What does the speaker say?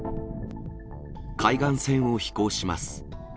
海岸線を飛行します。